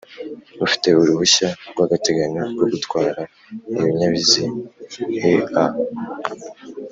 Ufite uruhushya rw’agateganyo rwo gutwara ibinyabiziea